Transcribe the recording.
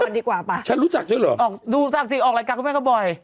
ค่ายว่าดาราจะฆ่อน